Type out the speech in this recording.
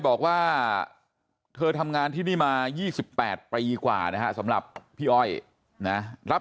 บอกว่าเธอทำงานที่นี่มา๒๘ปีกว่านะฮะสำหรับพี่อ้อยนะรับ